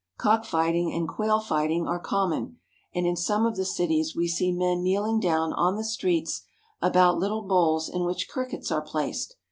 Cock fighting and quail fighting are common, and in some of the cities we see men kneeling down on the streets about little bowls in which crickets are placed.